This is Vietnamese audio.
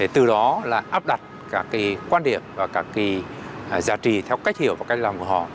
từ đó là áp đặt các quan điểm và các giá trị theo cách hiểu và cách làm của họ